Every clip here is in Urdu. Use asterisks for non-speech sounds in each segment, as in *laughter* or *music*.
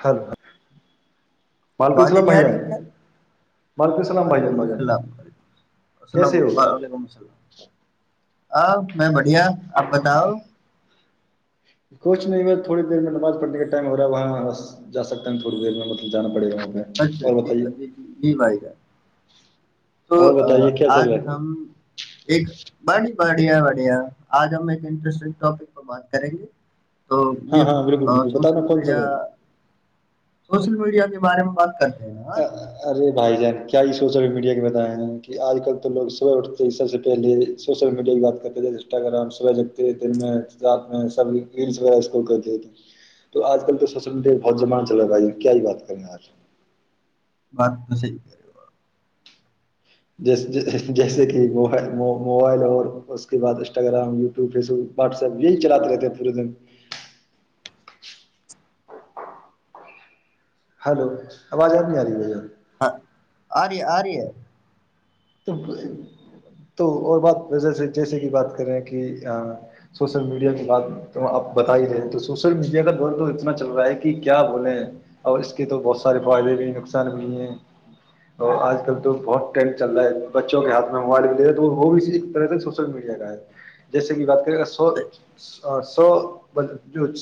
ہلو وعلیکم آواز السلام نہیں بھائی آ جان رہی کیا السلام بھائی وعلیکم جان بھائی جان السلام ویک الل السلام کیسے ہو و ععلیکم السلام آ میں بڑھیا آپ بتاؤ کچھ نہیں بس تھوڑی دیر میں نماز پڑھنے کا ٹائم ہو رہا ہے وہاں بس جا سکتے ہیں تھوڑ دیر میں مطلب جانا پڑے گا پہ اچھا اور جی بتائیے اجی جی جی بھای جان تو اور بتائیے کیا آج چل رہا ہے ہم ایک بڑی بڑھیا بڑھیا آج ہم ایک انٹرسٹنگ ٹاپک پر بات کریںگے تو یہ ہاں ہاں بالکل بالکل سوشل بتانا کون میڈیا سا ہے *unintelligible* سوشل میڈیا کے بارے میں بات کرتے ہیں نا آج ارے بھائی جان کیا یہ سوشل میڈیا کے بتائے ہیں کہ آج کل تو لوگ صبح اٹھتے سب سے پہلے سوشل میڈیا کی بات کرتے تھ انسٹاگرام صبح جگتےات سب ریلسغتے تو آج کل تو سوشل میڈیا بہت زمان چلاے بھائی کیا یہ بات کریں آج بات تو سحی کر ہو جیس جیسے کہ مو موبائل اور اس کے بعد Instagram YouTube Facebook WhatsApp یہی چلاتے رہتے ہیں پورے دن ہلو آواز آب نہیں آ رہی ہے بھ ہ آری آری تو اور بات ویس جیسے کہ بات کریں کہ سوشل میڈیا کی بات تو آپ بت ہی رہے تو سوشل میڈیا کا دور تو اتنا چل رہا ہے کہ کیا بولیں اور اس کے تو بہت سارے فائدے بھی ہیں نقصان بھی ہیں اور آج کل تو بہت ٹ چل رہا ہے بچوں کے ہاتھ میں موبائل بھی دے ہیں تو وہ بھی اسی طرح سے سوشل میڈیا کا ہے جیسے کہ بات کر سو صحیح سو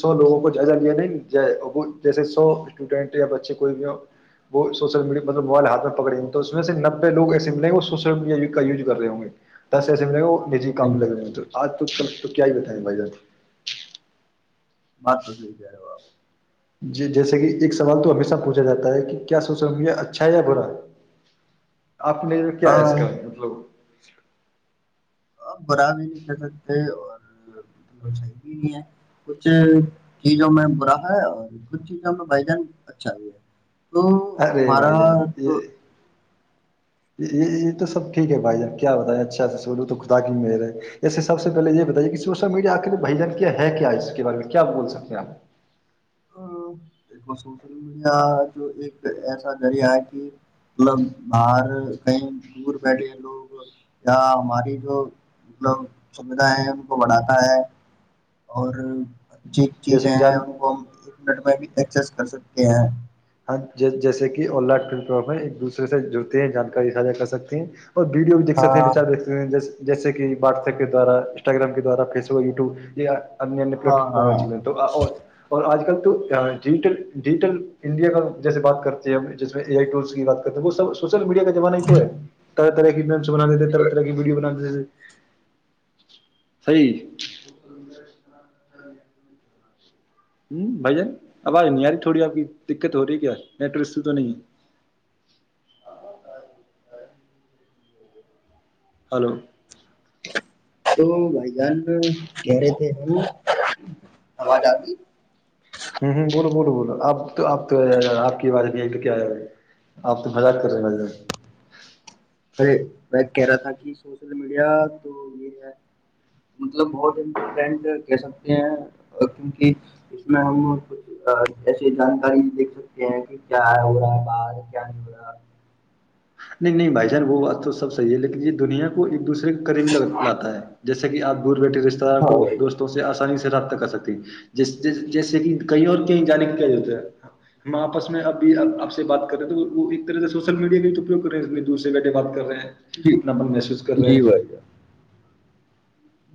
سو لوگوں کو جائزہ لیا نہیں وہ جیسے سو اسٹوڈینٹ یا بچے کوئی بھی وہ سوشل میڈیا مطلب موبائل ہاتھ میں پکڑی تو اس میں سے نبے لوگ ای لیں گ وہ سوشل میڈیا کا یز رہے ہوں گے دس ایسےم لیں گے وہ م ہی صحیح کم کہہ لگے رہے ہو م تو آج تو تو کیا ہی بتائیں بھائی جان بات تو سح کر رہ ہے باپ جیسے کہ ایک سوال تو ہمیشہ پوچھا جاتا ہے کہ کیا سوچا ہوں گے اچھا یا برا آپ نے کیا ہے کا مطلب ب آپ برا بھی نہیں کر سکتے اور صحیح بھی نہیں ہے کچھ چیزوں میں برا ہے اور کچھ چیزوں میں بھائی جان اچھا بھی ہے تو ارے ہمارا بھائی جان تو یہ یہ یہ تو سب ٹھیک ہے بھائی جان کیا بتائیں اچھا سے سولو تو خدا کی م ہے ایسے سب سے پہلے یہ بتائیے کہ سوشل میڈیا کے بھائی جان کیا ہے کیا اس کے بارے میں کیا بول سکتے ہیں آپ ہ دیکھو سوشل میڈیا جو ایک ایسا ذریعہ ہے کہ مطلب باہر کہیں دور بیٹھے لوگ یا ہماری جو مطلب سویدھا ہے ان کو بڑھاتا ہے اور ھیک چییک جیسے ہے کہ ہیں جان ہم کو ایک منٹ میں بھی ایکسس کر سکتے ہیں ہاں جیسے کہ ا ایک دوسرے سے جڑتے ہیں جانکاری ساھا کر سکتی ہیں اور ویڈیو بھی دیک ستے ہیں ہاں بچار دیک ستے ہیں جس جیسے کہ واٹس ایپ کے دوارا انسٹاگرام کے دوارا فیس بک یوٹیوب یہ ایہ انیہ پلیٹ ہاں فارم ہاں وغیرہل تو اور آج کل توٹل ڈجٹل انڈیا کا جیسے بات کرتے ہیں جس میں ایک ٹولز کی بات کرتے ہیں وہ سوشل میڈیا کا جوان ہی تو ہے کہ میں بناتے تھے طر طرح کی وی بناتے تھے صحیح ہ بھ جان آواز نہیں آ رہ تھوڑی آپ کی دقت ہو رہی کیا نیٹسو تو نہیں ہے ج ج ہے *inaudible* *unintelligible* ہلو تو بھائی جان کہہ رہے تھے ہماد ہوں ہوں بولو بولو بولو اب تو آپ تو آپ کی بار کیا آپ تو مزاد کر رہے ہیں م ارے ب کہہ رہا تھا کہ سوشل میڈیا تو یہ ہے مطلب بہت امپورٹینٹ کہہ سکتے ہیں کیونکہ اس میں ہم کچھ ایسی جانکاری دیکھ سکتے ہیں کہ کیا ہو رہا ہے بار کیا نہیں ہو رہا نہیں بھائی جان وہ بات تو سبحی ہے لیکن یہ دنیا کو ایک دوسر قریبی لاتا ہے جیسے کہ آپ دور بیٹھے رشتے داروں ہاں کو بھائی جان دوستوں سے آسانی سے رابطہ کر سکتی جیسے کہ کہیں اور کہیں جانے کی کیا ہم آپس میں اب آپ سے بات کریں تو طرح سے سوشل میڈیا کاوگ ز میں دوسرے گڈے بات کر رہے ہیں جی اپناپن محسوس کر رہے جی ہیں بھائی جان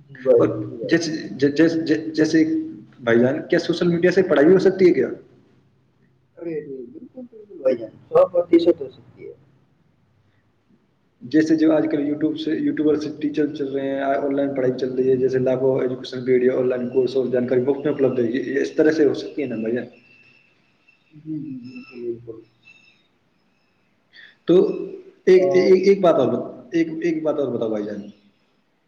جی بھائی اور جان جی بھائی جان جس جس *unintelligible* جیسے بھائی جان کیا سوشل میڈیا سے پڑھائی ہو سکتی ہے کیا ارے نہیں بالکل بالکل بھ سو بتی س تو ہو سکتی ہے جیسے جو آج کل یوٹیوب یوٹیوبر سے ٹیچر چل رہے ہیں آن لائن پڑھائی چل رہی ہے جیسے لاکھوں ایجوکیشن پی آن لائن کورس اور جانکاری بک میں اپلبدھ ہوی اس طرح سے ہو سکتی ہے نا بھہ جی جی بالکل بالکل تو *inaudible* ایک آ، ایک بات آ ایک ایک بات اور بتاؤ بھائی جان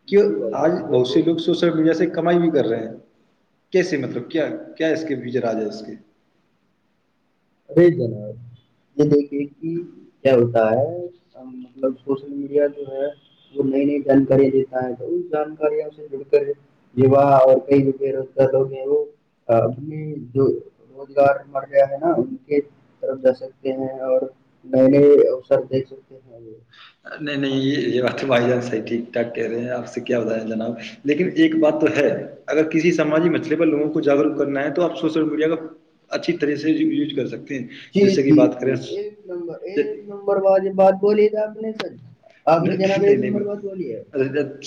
کی جی بھائی آج جان بہت سے بولیے لوگ سوشل میڈیا سے کمائی بھی کر رہے ہیں کیسے مطلب کیا کیا اس کے وجراج ہے اس کے ر جنا یہ دیکھ *unintelligible* یہ کہ کیا ہوتا ہے مطلب سوشل میڈیا جو ہے وہ نئی نئی جانکارییا دیتا ہے تو اس جانکاروں سے جڑ کر یہاہ اور کئی جو بے روزگار لوگ ہیں وہ اپنے جو روزگار مر گیا ہے ن ان کے طرف جا سکتے ہیں اور نئے نئے اوسر دیکھ سکتے ہیں وہ *unintelligible* نہیں نہیں یہ یہ بات بھائی جان صحیح ٹھیک ٹھاک کہہ رہے ہیں آپ سے کیا بتائیں جناب لیکن ایک بات تو ہے اگر کسی سماجی مچئلے پر لوگوں کو جاگروک کرنا ہے تو آپ سوشل میڈیا کا اچھی طرح سے یوز کر سکتے ہیں جی جیسے کہ جی بات جی ایک کریں نمبر ایک نمبر والی بات بولی آپ نے سر *unintelligible* *inaudible* *unintelligible* آپ نے جناب ایک نمبر بات بولی ہے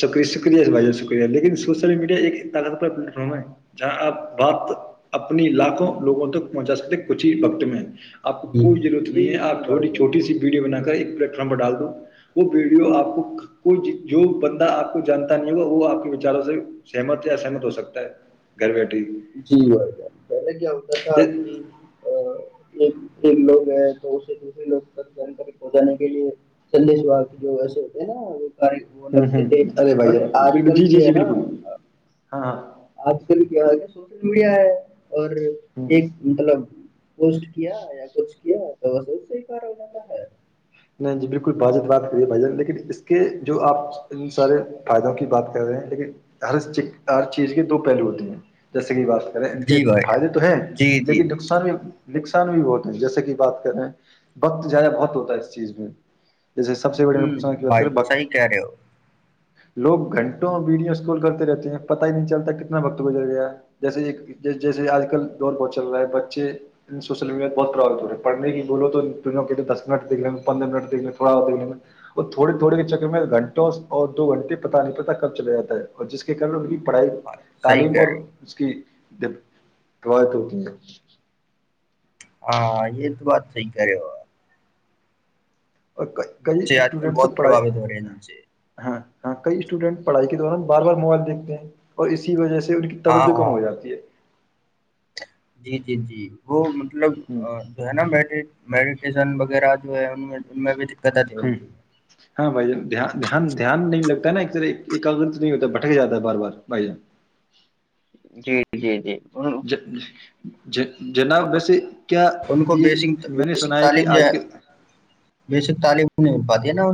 شری شکریہ بھائی ج شکریہ لیکن سوشل میڈیا ایک طاقتور پلیٹ فارم ہے جہاں آپ بات اپنی لاکھوں لوگوں تک پہنچا سکتے کچھ ہی وقت میں آ جی کوئی ضرورت نہیں جی جی ہےپ بھائی چھوٹی جناب چھٹی سی ویڈیو بنا کر ایک پلیٹ فارم پر ڈال دوں وہ ویڈیو آپ کو کوئی جو بندہ آپ کو جانتا نہیں ہوگا وہ آپ کے وچاروں سے سہمت یا ا سہمت ہو سکتا ہے گھر بیٹھے ہی جی ب پہلے کیا ہوتا تھا ہ کہ ا ایک ایک لوگ ہے تو اسے دوسرے لوگ تک جانکاری پہنچانے کے لیے سندیش با جو ایسے ہوتے ہیں نا کار وہ ہ ہ لگتے تھے ارے بھائی بٹ جان آج بکل جی جی جی بالکل ہاں ہاں آپ کل کیا گ سو *inaudible* اڑیا ہے اور ہ ایک مطلب پسٹ کیا یا کچھ کیا تو بس اس سے کار ہو جاتا ہے جی بالکل بجت بات کریے بائی جان لیکن اس کے جو آپ ان سارے فائدوں کی بات کر رہے ہیں لیکن ہر ہر چیز کے دو پہلو ہوتے ہیں جیسے کی بات کریں ان کے جی بھائی جان فائدے تو ہیں جی جی لیکن جی نقصان بھی نکقسان بھی بہتے ہیں جیسے کہ بات کریں وقت جایا بہت ہوتا ہے اس چیز میں جیسے سب سے بڑے ہمم نقصان کی بات بھائی کریں وقت صحیح کہہ رہے ہو لوگ گھنٹوں ویڈیو اسکال کرتے رہتے ہیں پت ہی نہیں چلتا کتنا وقت گزر گیا جیسے جیسے آج کل دور بہت چل رہا ہے بچے سوشل میڈیاہ بہت پرباوت ہو رہے ہیں پڑھنے بولو تو دوں کے دس منٹ دیکھ لیں پندر منٹ دیکنے تھوڑا دیکنے اور تھوڑی تھوڑے چکر میں گھنٹوں اور دو گھنٹے پتا نہیں پتا کب چل جاتا ہے اور جس کے ان پڑھائی صحیح تعلیم کہہ اور رہے ہو اس کی *inaudible* ہاں یہ تو بات صحیح کہہ رہے ہو اپ اور کئی بچے آج کل اسٹوڈینٹ سے بہت پڑھائی پرباوت ہو رہے ہیں ان سے ہاں ہاں کئی اسٹوڈینٹ پڑھائی کے دوران بار بار موبائل دیکتے ہیں اور اسی وجہ سے ان کی ہاں توجہ کم ہاں ہو جاتی ہے جی جی جی وہ مطلب ہ جو ہے نا بیٹھے میڈیٹیشن وغیرہ جو ہے ان ہ *inaudible* ہاں بھائی جان دان دھیان نہیں لگتا ہےا ایک طرح ایکگگر تو نہیں ہوتا بھٹک جاتا ہے بار بار بھائی جان جی جی جی ان *inaudible* جی جناب ویسے کیا ان کو یہ بیسک میں نے سنا بیسک ہے کہ تعلیم جو آج کے بیسک تعلیم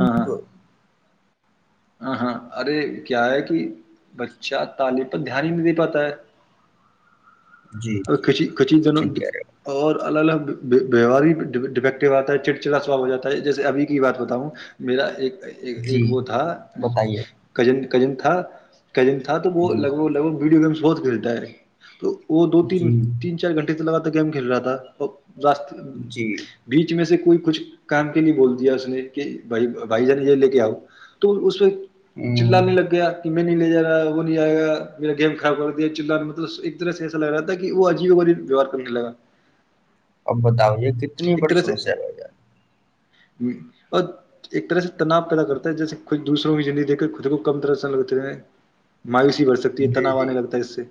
ہاں ہاں ہاں ہاں ارے کیا ہے کہ بچہ تعلیم پر دھیان ہی نہیں د پاتا ہے جی ا جی کچی جی کچی دونوں صحیح کہہ رہے اور الگ الگ بیواری ڈیفیکٹو آتا ہے چڑچڑا سوااب ہو جاتا ہے جیسے ابھی کی بات بتاؤ میرا ایک ہو ایک جی وہ تھا بتائیے کزن کزن تھا کزن تھا تو وہ جی لگ جی لگ جی بگ ویڈی گیمس بہت کھیل تو *unintelligible* وہ دو تین جی تین چار گھنٹے سے لگاتا گیم کھیل رہا تھا تو راس جی بیچ میں سے کوئی کچھ کام کے لیے بول دیا اس نے کہ بھائی بھائی جان ج لے کے آؤ تو اس میں تو چلا ہ نہیں لگیا میں نہیں لے جا وہ نہیں آئےا میرا گیم خراب کر دیا چ م ایک طرح سے ایسا لگ رہا تھا کہ وہ عجیب و ویوار کرنے لگا اب بتاؤ یہ کتنی بڑی سمسیا رہ یار ہ اور ایک طرح سے تناؤ پیدا کرتا ہے جیسے خود دوسروں کی زگی دیکھ خود کو کم طرح سے لگتے ہیں مایوسی بھڈ سکتی ہے جان جی تنا ہو آ جی نہیں لگتا ہے اس سے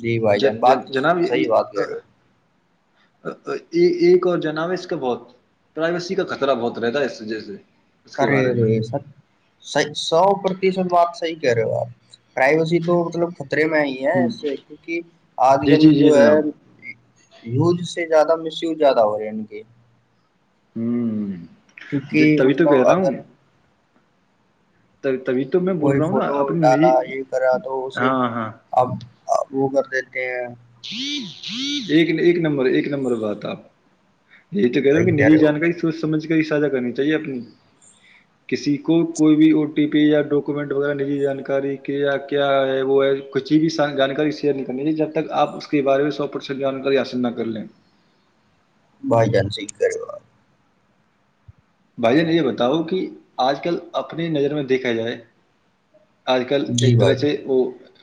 جی بھائی جان جن- بات جن- تو جناب یہ- صحیح یہ- بات کہہ اہ، رہے ہو ایک اور جناب اس کا بہت پرائیویسی کا خطرہ بہت رہتا ہے اس وجہ سے اس کے ارے بارے میں رے سب سو پرتیشت بات صحیح کہہ رہے ہو آپ پرائیویسی تو مطلب میں ہی ہے ہ اس سے کیکہ آج جی کل جی جی جو ہے جناب *unintelligible* سے زیادہ مس یوز زیادہ ہو رہے ہیں ان کی ہوں جی کیونکہ تبھی تو مطلب اگر تو تبھی تو میں بول کوئی رہا ہوں نا فوٹو اپنی نجی ڈالا یہ کرا تو اسے ہاں ہاں اب وہ کرتے تو *unintelligible* ایک ایک نمبر ایک نمبر بات آپ یہ تو کہہ رہ ہوں کہ صحیح نجی رہے ہو جانکاری سوچ سمجھ کے سھا کرنی چاہیے اپنی کسی کو کوئی بھی او ٹی پی یا ڈاکومنٹ وغیرہجی جانکاری کیا ہے وہ ہے کچسی بھی جانکاری شیئر نہیں کرنی چاہیے جب تک آپ اس کے بارے میں سو پرسنٹ جانکاری آسند نہ کر لیں بھائی جان سہی کہہ رہے ہو بھائی ج نے یہ بتاؤ کہ آج کل اپنی نظر میں دیکھا جائے آج کل جی ایک طرح بھائی سے جان وہ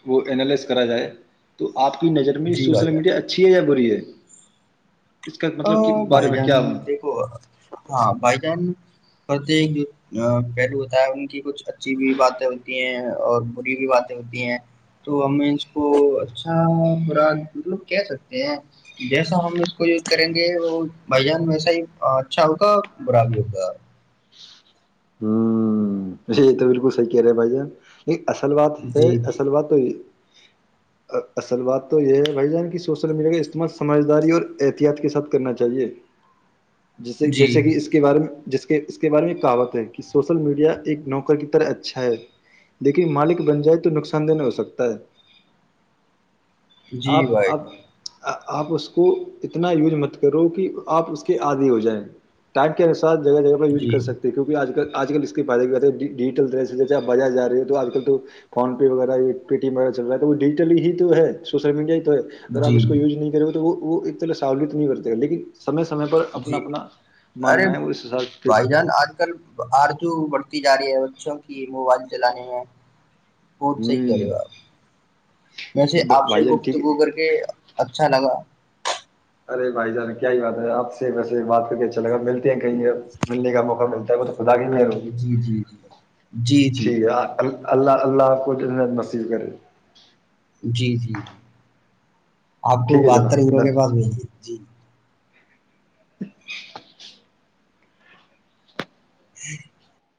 وہ اینالائز کرا جائے تو آپ کی نظر میں جی سوشل بھائی جان میڈیا اچھی ہے بریے *unintelligible* ا بھائی جان دیکھو ہاں بھائی جان پرت ایک جو پہلو ہوتا ہے ان کی کچھ اچھی بھی باتیں ہوتی ہیں اور بری بھی باتیں ہوتی ہیں تو ہم اس کو اچھا برا مطلب کہہ سکتے ہیں جیسا ہم اس کو جو کریں گے وہ بھائی جان ویسا ہی اچھا ہوگا برا بھی ہوگا ہوں یہ تو بالکل صحک رہ ہے بے اصل بات ہے جی جی اصل بات تو یہ اصل بات تو یہ ہے بھائی جان کی سوشل میڈیا کا استعمال سمجھداری اور احتیاط کے ساتھ کرنا چاہیئے جیسے جی جیسے کہ اس کے بارے میں جس کے اس کے بارے میں کاوک کہ سوشل میڈیا ایک نوکر کی طرح اچھا ہے لیکن مالک بن جائے تو نقصان دہ نہیں ہو سکتا ہے جی آپ بھائی اب آپ اس کو اتنا یوج مت کرو کہ آپ اس کے آدے ہو جائیں ٹائپ کیا جگہ جگہ پر جان وز کر جی سکتے کیکہ آج کل اس کے فائدے ڈیجیٹل جی آ ب ج رہی ہے تو آج کل تو فون پے وغہ پےٹیمہ چل رہا تو وہ ڈجیٹل ہی تو ہے سوشل میڈیا ہے اگر آ جی اس کو جی یوز نہیں کریں ہو تو وہ وہ ایکح سہولت نہیں کرتے لیکن سمے سمے پر اپنا جی اپنا ماننا ہے وہ اس س آرت بڑھتی جا رہی ہے بچوں کی موبائل چلانے میں بہت صحیح کہہ ہوں رہے ہو آپ وسے آپ سے بھائی جان ٹھیک ہے گفتگو کر کے اچھا لگا ارے بھائی جان کیا ہی بات ہے آپ سے ویسے بات کر کے اھا لگا مل ہیں کہیںے ملنے کا موقع ملتا س *unintelligible* *inaudible* پتا کی م ہوگی جی جی جی جی جی ٹھیک ہے ال اللہ اللہ کوت نصیب کرے جی جی جی آپ کو ٹھیک ہے بہتر جناب گرو کے دن پاس مل گے جی *inaudible* *inaudible* ہی *inaudible*